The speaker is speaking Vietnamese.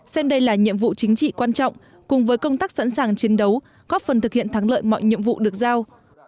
xem đây là nhiệm vụ chính trị quan trọng cùng với công tác sẵn sàng chiến đấu góp phần thực hiện thắng lợi mọi nhiệm vụ được giao